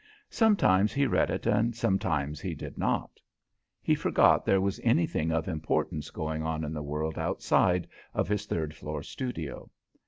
Sometimes he read it and sometimes he did not. He forgot there was anything of importance going on in the world outside of his third floor studio.